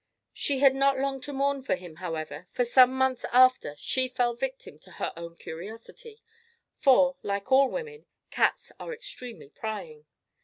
She had not long to mourn for him however, for some months after she fell a victim to her own curiosity; for, like women, cats are extremely prying.